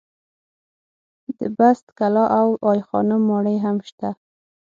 د بست کلا او دای خانم ماڼۍ هم شته.